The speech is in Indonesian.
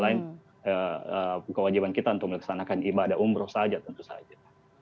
jadi itu adalah kewajiban kita untuk melaksanakan ibadah umroh saja tentu saja